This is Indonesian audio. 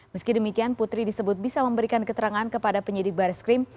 meski demikian putri disebut bisa memberikan keterangan kepada penyidik baris krim